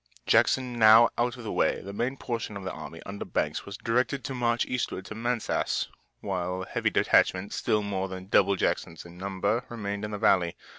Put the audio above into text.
Jackson now out of the way, the main portion of the army under Banks was directed to march eastward to Manassas, while a heavy detachment still more than double Jackson's in numbers remained in the valley.